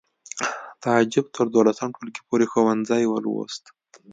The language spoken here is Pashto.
تعجب تر دولسم ټولګي پورې ښوونځی ولوست